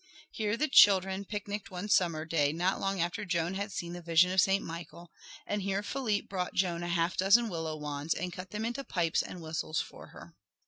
Here the children picnicked one summer day not long after Joan had seen the vision of Saint Michael, and here Philippe brought Joan a half dozen willow wands and cut them into pipes and whistles for her.